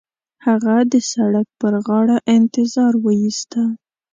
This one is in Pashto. هغه د سړک پر غاړه انتظار وېسته.